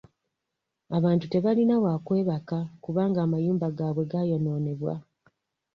Abantu tebalina wa kwebaka kubanga amayumba gaabwe gaayonoonebwa.